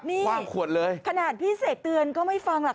นี่คว่างขวดเลยขนาดพี่เสกเตือนก็ไม่ฟังหรอก